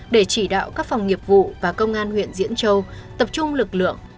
để chỉ đạo các phòng nghiệp vụ và công an huyện diễn châu tập trung lực lượng